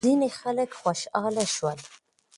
ځینې خلک خوشحال شول.